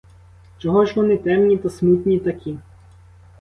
Чого ж вони темні та смутні такі?